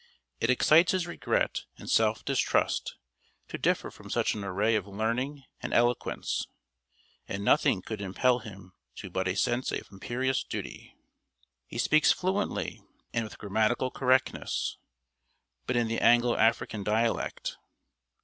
It excites his regret and self distrust to differ from such an array of learning and eloquence; and nothing could impel him to but a sense of imperious duty. He speaks fluently, and with grammatical correctness, but in the Anglo African dialect.